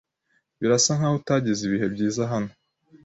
Birasa nkaho utagize ibihe byiza hano.